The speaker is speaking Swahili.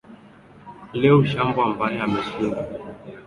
leo ushambo ambaye ameshinda